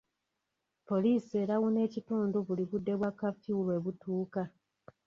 Poliisi erawuna ekitundu buli budde bwa kafyu lwe butuuka.